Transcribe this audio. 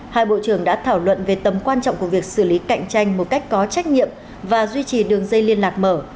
hai bộ trưởng đã thảo luận về tầm quan trọng của việc xử lý cạnh tranh một cách có trách nhiệm và duy trì đường dây liên lạc mở